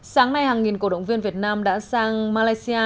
sáng nay hàng nghìn cổ động viên việt nam đã sang malaysia